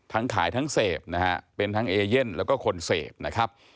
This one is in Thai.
ขายทั้งเสพนะฮะเป็นทั้งเอเย่นแล้วก็คนเสพนะครับ